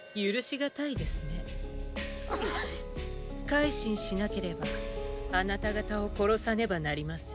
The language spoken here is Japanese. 改心しなければあなた方を殺さねばなりません。